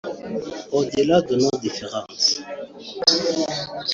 au-delà de nos différences